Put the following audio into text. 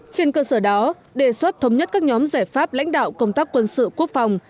trên cơ sở đó đề xuất thống nhất các nhóm giải pháp lãnh đạo công tác quân sự quốc phòng